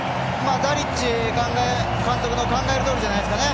ダリッチ監督の考えるとおりじゃないですかね